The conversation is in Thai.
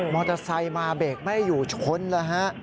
มอเตอร์ไซค์มาเบรกไม่อยู่ชนแล้วฮะ